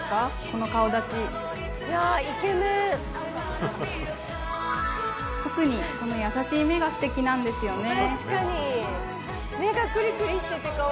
この顔立ち特にこの優しい目がステキなんですよね